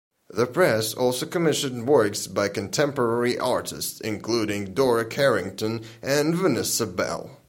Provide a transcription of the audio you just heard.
The Press also commissioned works by contemporary artists, including Dora Carrington and Vanessa Bell.